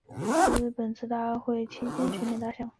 然而二战亦是在本次大会期间全面打响。